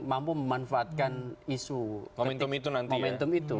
mampu memanfaatkan isu momentum itu